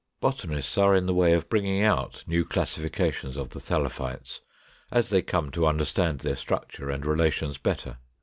Botanists are in the way of bringing out new classifications of the Thallophytes, as they come to understand their structure and relations better.